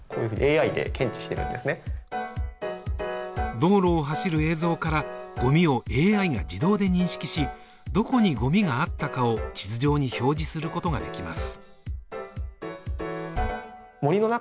道路を走る映像からごみをＡＩが自動で認識し、どこにごみがあったかを地図上に表示することができます。